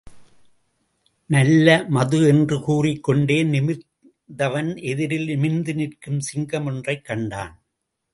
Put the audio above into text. நல்ல மது என்று கூறிக்கொண்டே நிமிர்ந்தவன் எதிரில் நிமிர்ந்து நிற்கும் சிங்கம் ஒன்றைக் கண்டான்.